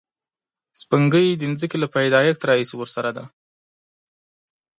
سپوږمۍ د ځمکې له پیدایښت راهیسې ورسره ده